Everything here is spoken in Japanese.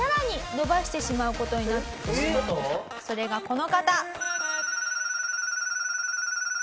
それがこの方。